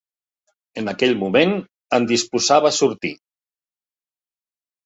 En aquell moment em disposava a sortir.